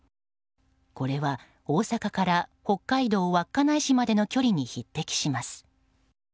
これは大阪から北海道稚内市までの距離に匹敵します。